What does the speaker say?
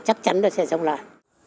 chắc chắn nó sẽ sống lại